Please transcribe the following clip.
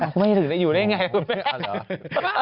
อยู่ได้ยังไงคุณแม่